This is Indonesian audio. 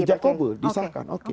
hijab kabul disarkan oke ya